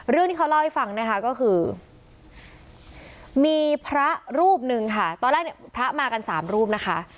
เรื่องที่เขาเล่าให้ฟังนะคะก็คือมีพระรูปหนึ่งค่ะตอนแรกเนี่ยพระมากันสามรูปนะคะ